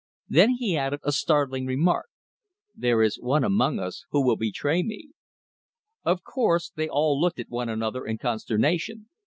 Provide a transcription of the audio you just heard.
Then he added a startling remark. "There is one among us who will betray me." Of course, they all looked at one another in consternation.